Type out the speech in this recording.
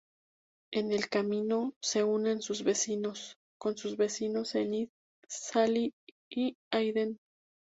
En el camino, se unen con sus vecinos, Enid, Sally y Aiden.